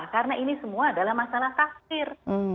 karena ini semua adalah masalah takdir